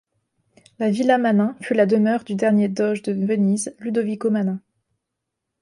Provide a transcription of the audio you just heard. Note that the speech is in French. La villa Manin fut la demeure du dernier doge de Venise, Ludovico Manin.